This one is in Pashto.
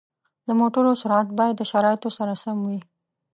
د موټرو سرعت باید د شرایطو سره سم وي.